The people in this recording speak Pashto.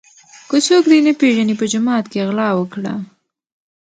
که څوک دي نه پیژني په جومات کي غلا وکړه.